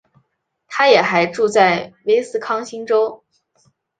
她也还住在威斯康星州。